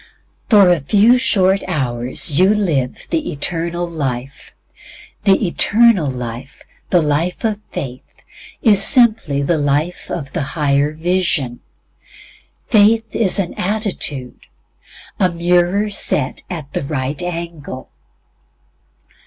For a few short hours you live the Eternal Life. The eternal life, the life of faith, is simply the life of a higher vision. Faith is an attitude a mirror set at the right angle.